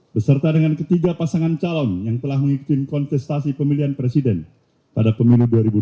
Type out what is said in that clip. beserta dengan ketiga pasangan calon yang telah mengikin kontestasi pemilihan presiden pada pemilu dua ribu dua puluh